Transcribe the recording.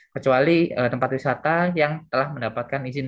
kecuali tempat wisata yang telah mendapatkan izin